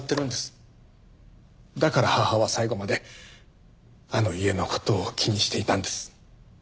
だから母は最期まであの家の事を気にしていたんです。